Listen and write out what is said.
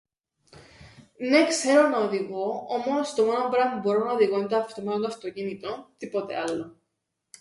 Νναι ξέρω να οδηγώ, όμως το μόνον πράμαν που μπορώ να οδηγώ εν' το αυτόματον αυτοκίνητον, τίποτε άλλον.